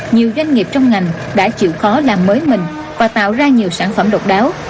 nhiều doanh nghiệp trong ngành đã chịu khó làm mới mình và tạo ra nhiều sản phẩm độc đáo